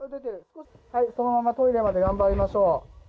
そのままトイレまで頑張りましょう。